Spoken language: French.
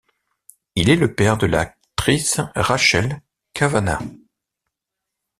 Il est le père de l'actrice Rachel Kavanagh.